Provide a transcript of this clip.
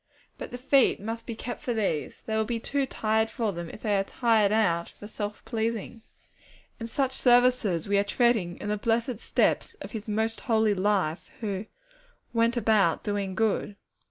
But the feet must be kept for these; they will be too tired for them if they are tired out for self pleasing. In such services we are treading in the blessed steps of His most holy life, who 'went about doing good.'